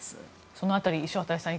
その辺り、石渡さん